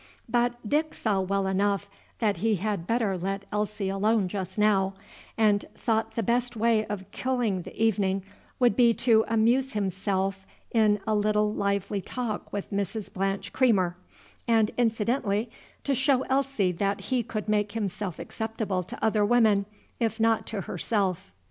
But Dick saw well enough that he had better let Elsie alone just now, and thought the best way of killing the evening would be to amuse himself in a little lively talk with Mrs. Blanche Creamer, and incidentally to show Elsie that he could make himself acceptable to other women, if not to herself.